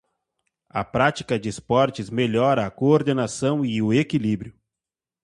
A prática de esportes melhora a coordenação e o equilíbrio.